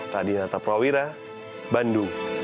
tadi nata prawira bandung